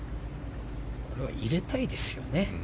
これは入れたいですよね。